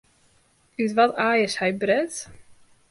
Ut wat aai is hy bret?